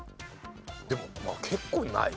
でも結構ない？